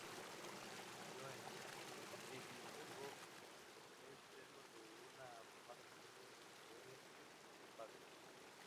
Nació en Edimburgo, en el seno de una afamada familia de diseñadores de faros.